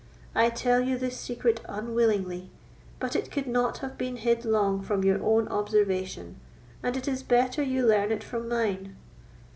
I tell you this secret unwillingly, but it could not have been hid long from your own observation, and it is better you learn it from mine.